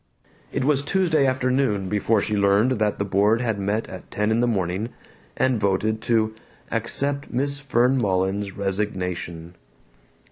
It was Tuesday afternoon before she learned that the board had met at ten in the morning and voted to "accept Miss Fern Mullins's resignation."